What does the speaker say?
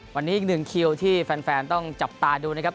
วันนี้อีกหนึ่งคิวที่แฟนต้องจับตาดูนะครับ